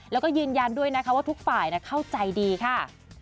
แล้วก็ยืนยันด้วยนะคะว่าทุกฝ่ายเข้าใจดีค่ะ